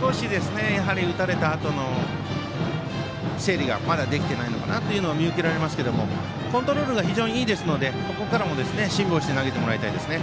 少し打たれたあとの整理がまだできていないかなと見受けられますがコントロールが非常にいいですのでここから辛抱して投げてもらいたいですね。